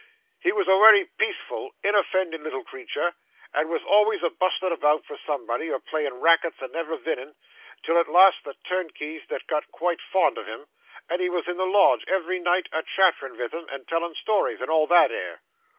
He wos a wery peaceful, inoffendin' little creetur, and wos alvays a bustlin' about for somebody, or playin' rackets and never vinnin'; till at last the turnkeys they got quite fond on him, and he wos in the lodge ev'ry night, a chattering vith 'em, and tellin' stories, and all that 'ere.